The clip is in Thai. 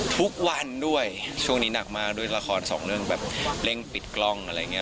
ทุกวันด้วยช่วงนี้หนักมากด้วยละครสองเรื่องแบบเร่งปิดกล้องอะไรอย่างนี้